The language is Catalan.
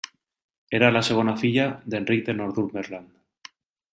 Era la segona filla d'Enric de Northumberland.